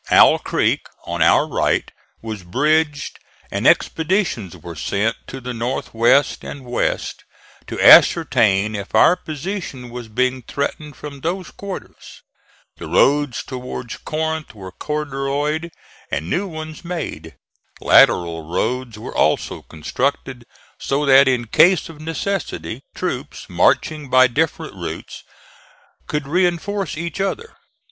Owl Creek, on our right, was bridged, and expeditions were sent to the north west and west to ascertain if our position was being threatened from those quarters; the roads towards Corinth were corduroyed and new ones made; lateral roads were also constructed, so that in case of necessity troops marching by different routes could reinforce each other.